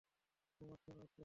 ঘুম আসছে না আজকাল।